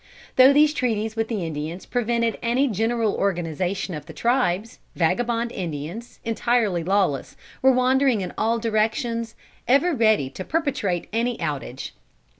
Though these treaties with the Indians prevented any general organization of the tribes, vagabond Indians, entirely lawless, were wandering in all directions, ever ready to perpetrate any outrage.